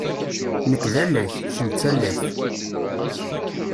Nekk d alak, kemm d talakt.